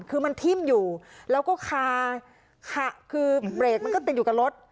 คือมันทิ่มอยู่แล้วก็คาคือเบรกมันก็ติดอยู่กับรถ